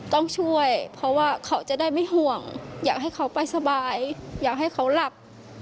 ต้องช่วยเพราะว่าเขาจะได้ไม่ห่วงอยากให้เขาไปสบายอยากให้เขาหลับ